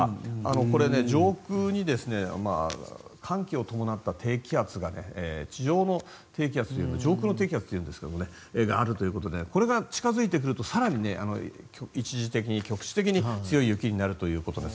これは上空に寒気を伴った低気圧が地上の低気圧というより上空の低気圧というんですがそれがあるということでこれが近付いてくると更に一時的に局地的に強い雪になるということです。